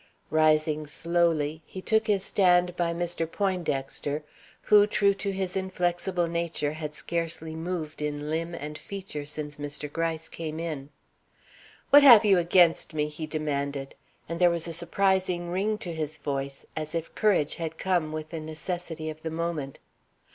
Rising slowly, he took his stand by Mr. Poindexter, who, true to his inflexible nature, had scarcely moved in limb and feature since Mr. Gryce came in. "What have you against me?" he demanded. And there was a surprising ring to his voice, as if courage had come with the necessity of the moment.